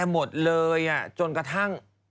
หมดเลยจนกระทั่ง